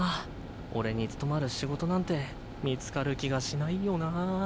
俺に務まる仕事なんて見つかる気がしないよな。